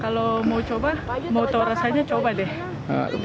kalau mau coba mau tahu rasanya coba deh